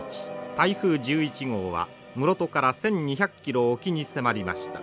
台風１１号は室戸から１，２００キロ沖に迫りました。